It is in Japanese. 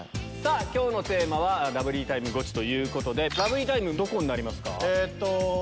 今日のテーマは「ラブリータイムゴチ！」ということでラブリータイムどこになりますか？